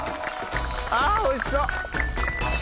あおいしそう！